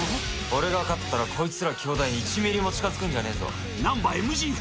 俺が勝ったら、こいつら兄弟に１ミリも近づくんじゃねえぞ！